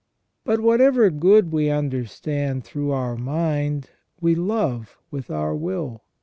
But whatever good we understand through our mind, we love with our will.